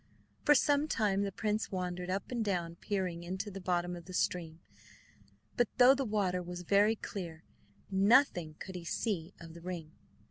For some time the prince wandered up and down peering into the bottom of the stream, but though the water was very clear, nothing could he see of the ring.